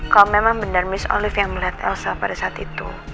kalau memang benar miss olive yang melihat elsa pada saat itu